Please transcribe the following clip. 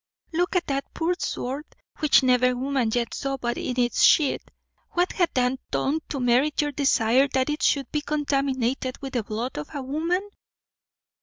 look at that poor sword, which never woman yet saw but in its sheath; what hath that done to merit your desire that it should be contaminated with the blood of a woman?"